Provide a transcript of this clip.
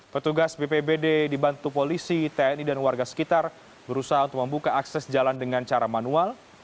petugas bpbd dibantu polisi tni dan warga sekitar berusaha untuk membuka akses jalan dengan cara manual